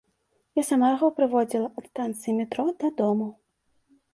Я сама яго прыводзіла ад станцыі метро дадому.